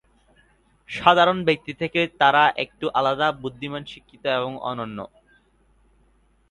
সাধারণ ব্যক্তি থেকে তারা একটু আলাদা, বুদ্ধিমান, শিক্ষিত এবং অনন্য।